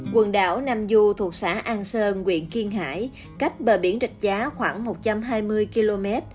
quần đảo nam du thuộc xã an sơn quyện kiên hải cách bờ biển trạch giá khoảng một trăm hai mươi km